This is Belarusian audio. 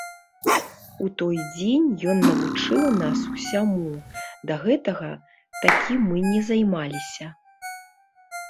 У той дзень ён навучыў нас ўсяму, да гэтага такім мы не займаліся.